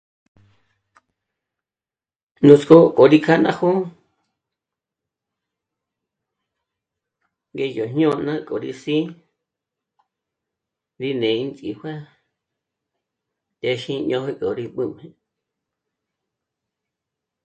Nut'sk'ó k'o rí kjá'a ná jó'o ngédyo jñôna k'o rí sî'i rí né'e rí ndzíjuà'a téxi yó ngóri b'ǚb'ü